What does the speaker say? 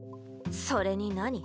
それに何？